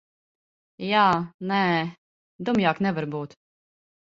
Jā, nē. Dumjāk nevar būt.